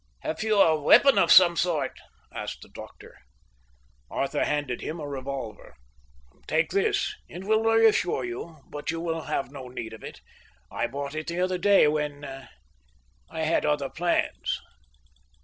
"Have you a weapon of some sort?" asked the doctor. Arthur handed him a revolver. "Take this. It will reassure you, but you will have no need of it. I bought it the other day when—I had other plans."